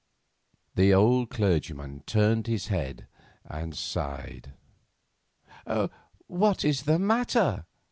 The old clergyman turned his head and sighed. "What is the matter?"